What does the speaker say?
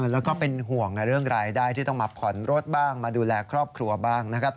แล้วก็เป็นห่วงเรื่องรายได้ที่ต้องมาผ่อนรถบ้างมาดูแลครอบครัวบ้างนะครับ